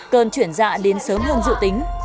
cơn chuyển dạ đến sớm hơn dự tính